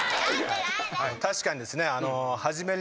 確かにですね。